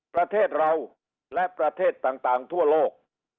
ประเทศเราและประเทศต่างทั่วโลก